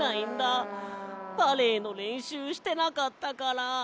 バレエのれんしゅうしてなかったから。